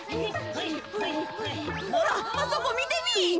ほらあそこみてみい。